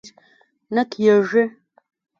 نه کېږي!